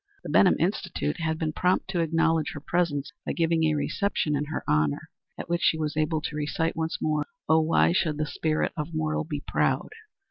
The Benham Institute had been prompt to acknowledge her presence by giving a reception in her honor, at which she was able to recite once more, "Oh, why should the Spirit of Mortal be proud?"